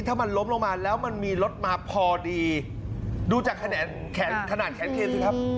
ถ้ามันล้มลงมาแล้วมันมีรถมาพอดีดูจากแขนขนาดแขนเคนสิครับ